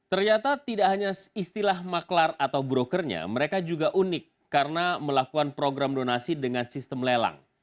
ternyata tidak hanya istilah maklar atau brokernya mereka juga unik karena melakukan program donasi dengan sistem lelang